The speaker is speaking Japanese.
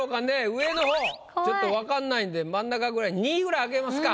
上の方ちょっとわかんないんで真ん中ぐらい２位ぐらい開けますか。